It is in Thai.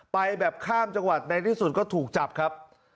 ไปแบบข้ามจังหวัดในที่สุดก็ถูกจับครับ